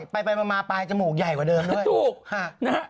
ไปมาปลายจมูกใหญ่กว่าเดิมด้วย